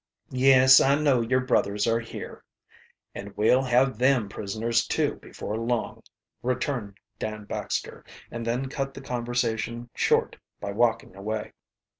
"Yes, I know your brothers are here and we'll have them prisoners, too, before long," returned Dan Baxter, and then cut the conversation short by walking away.